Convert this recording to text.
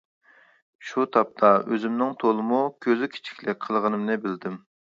شۇ تاپتا ئۆزۈمنىڭ تولىمۇ كۆزى كىچىكلىك قىلغىنىمنى بىلدىم.